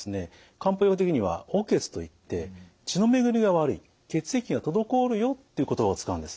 漢方医学的には血といって血の巡りが悪い血液が滞るよっていう言葉を使うんです。